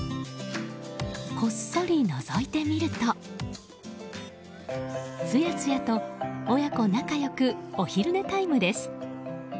こっそりのぞいてみるとすやすやと親子仲良くお昼寝タイムです。